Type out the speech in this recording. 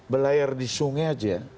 belayar di sungai aja